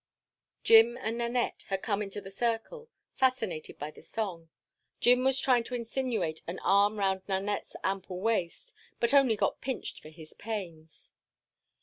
Jim and Nanette had come into the circle, fascinated by the song. Jim was trying to insinuate an arm round Nanette's ample waist, but only got pinched for his pains.